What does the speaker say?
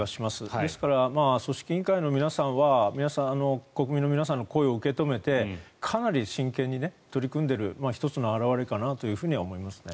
ですから、組織委員会の皆さんは国民の皆さんの声を受け止めてかなり真剣に取り組んでいる１つの表れかなというふうには思いますね。